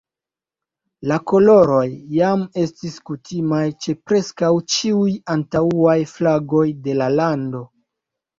La koloroj jam estis kutimaj ĉe preskaŭ ĉiuj antaŭaj flagoj de la lando.